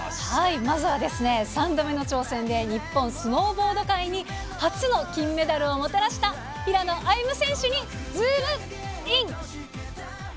まずはですね、３度目の挑戦で日本スノーボード界に初の金メダルをもたらした平野歩夢選手にズームイン！！